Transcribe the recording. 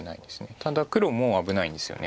ただ黒も危ないんですよね